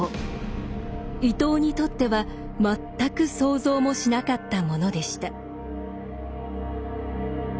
伊藤にとっては全く想像もしなかったものでした。